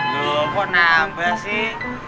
lho kok nambah sih